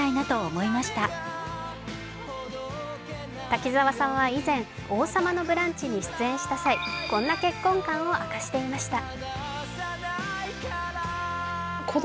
滝沢さんは、以前、「王様のブランチ」に出演した際こんな結婚観を明かしていました。